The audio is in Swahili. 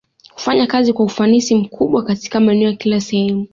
Kufanya kazi kwa ufanisi mkubwa Katika maeneo ya kila Sehemu